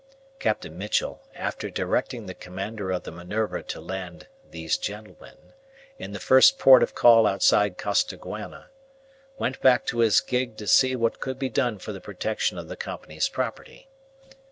Captain Mitchell, after directing the commander of the Minerva to land "these gentlemen" in the first port of call outside Costaguana, went back in his gig to see what could be done for the protection of the Company's property.